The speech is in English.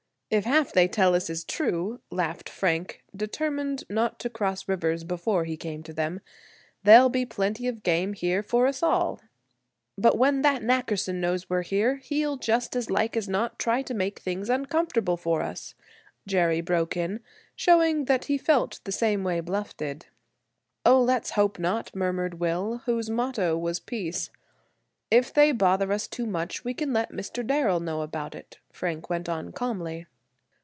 "If half they tell us is true," laughed Frank, determined not to cross rivers before he came to them, "there'll be plenty of game here for us all." "But when that Nackerson knows we're here he'll just as like as not try to make things uncomfortable for us," Jerry broke in, showing that he felt the same way Bluff did. "Oh! let's hope not," murmured Will, whose motto was peace. "If they bother us too much we can let Mr. Darrel know about it," Frank went on calmly.